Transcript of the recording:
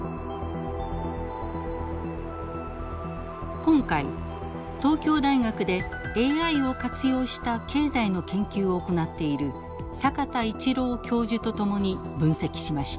今回東京大学でＡＩを活用した経済の研究を行っている坂田一郎教授と共に分析しました。